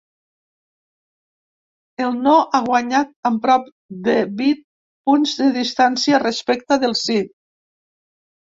El no ha guanyat amb prop de vint punts de distància respecte del sí.